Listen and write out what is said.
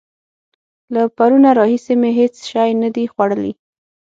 له پرونه راهسې مې هېڅ شی نه دي خوړلي.